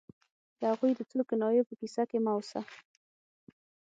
د هغوی د څو کنایو په کیسه کې مه اوسه